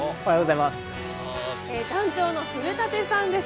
団長の古舘さんです。